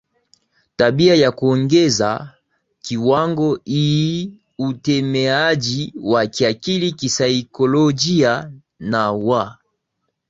tabia ya kuongeza kiwango iii utegemeaji wa kiakili kisaikolojia na wa